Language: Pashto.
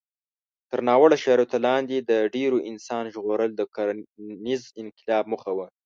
تر ناوړه شرایطو لاندې د ډېرو انسان ژغورل د کرنيز انقلاب موخه وه.